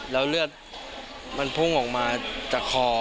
แล้วเลือดมันพุ่งออกมาจากคอ